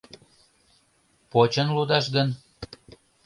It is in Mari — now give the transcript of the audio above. Почын лудаш гын?..